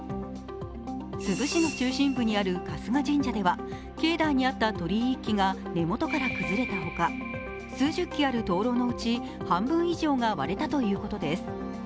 珠洲市の中心部にある春日神社では境内にあった鳥居１基が根元から崩れたほか、数十基ある灯籠のうち半分以上が割れたということです。